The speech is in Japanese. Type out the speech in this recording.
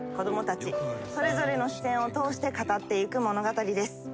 それぞれの視点を通して語っていく物語です。